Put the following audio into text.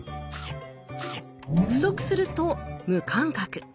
不足すると「無感覚」。